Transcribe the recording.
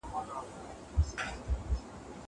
زه پرون قلم استعمالوم کړ.